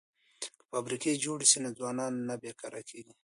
که فابریکې جوړې شي نو ځوانان نه بې کاره کیږي.